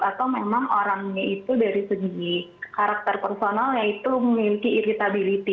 atau memang orangnya itu dari segi karakter personalnya itu memiliki irritability